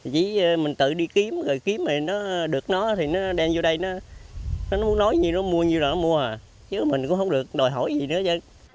chỉ mình tự đi kiếm rồi kiếm rồi nó được nó thì nó đem vô đây nó muốn nói như nó mua như là nó mua chứ mình cũng không được đòi hỏi gì nữa chứ